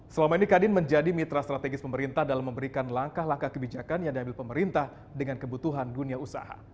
selama ini kadin menjadi mitra strategis pemerintah dalam memberikan langkah langkah kebijakan yang diambil pemerintah dengan kebutuhan dunia usaha